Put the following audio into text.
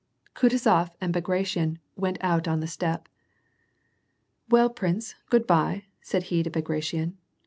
Kutuzof and Bagration went out on the step. "Well, prince, good by," said he to Bagration!